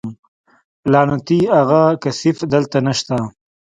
لعنتي اغه کثيف دلته نشته.